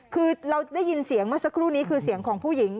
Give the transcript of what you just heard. คือเราได้ยินเสียงเมื่อสักครู่นี้คือเสียงของผู้หญิง